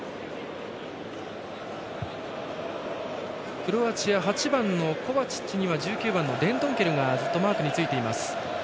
クロアチア８番のコバチッチには１９番のデンドンケルがずっとマークについています。